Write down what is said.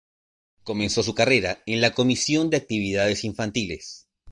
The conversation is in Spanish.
Comenzó su carrera en la Comisión de Actividades Infantiles.